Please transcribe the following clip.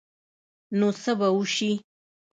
نو څه به وشي ؟